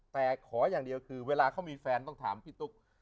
แต่ขออย่างเดียวคือเวลาเขามีแฟนต้องถามพี่ตุ๊ก